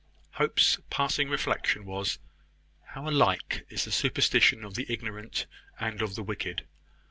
Hope's passing reflection was, "How alike is the superstition of the ignorant and of the wicked!